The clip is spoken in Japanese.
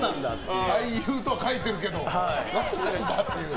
俳優と書いているけど何なんだって。